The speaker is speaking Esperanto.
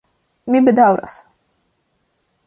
Mi bedaŭras!